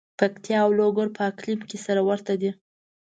پکتیا او لوګر په اقلیم کې سره ورته دي.